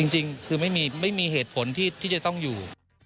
จริงคือไม่มีเหตุผลที่จะต้องอยู่